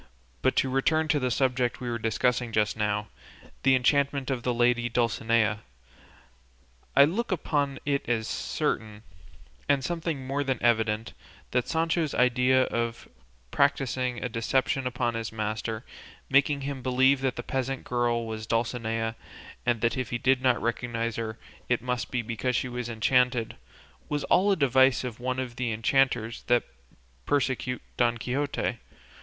But to return to the subject we were discussing just now, the enchantment of the lady Dulcinea, I look upon it as certain, and something more than evident, that Sancho's idea of practising a deception upon his master, making him believe that the peasant girl was Dulcinea and that if he did not recognise her it must be because she was enchanted, was all a device of one of the enchanters that persecute Don Quixote.